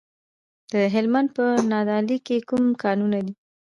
د هلمند په نادعلي کې کوم کانونه دي؟